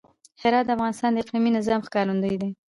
هرات د افغانستان د اقلیمي نظام ښکارندوی دی.